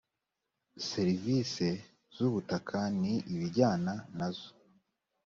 serivise zubutakani ibijyana nazo